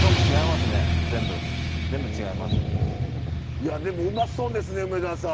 いやでもうまそうですね梅沢さん。